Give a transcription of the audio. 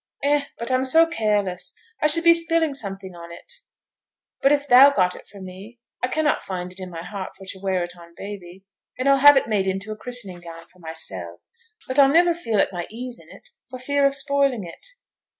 'Eh! but I'm so careless, I should be spilling something on it? But if thou got it for me I cannot find i' my heart for t' wear it on baby, and I'll have it made into a christening gown for mysel'. But I'll niver feel at my ease in it, for fear of spoiling it.'